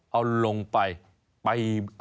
เอาลงไป